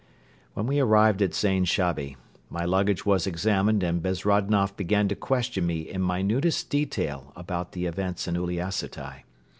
When we arrived at Zain Shabi, my luggage was examined and Bezrodnoff began to question me in minutest detail about the events in Uliassutai.